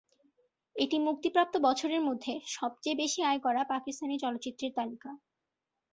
এটি মুক্তিপ্রাপ্ত বছরের মধ্যে সবচেয়ে বেশি আয় করা পাকিস্তানি চলচ্চিত্রের তালিকা।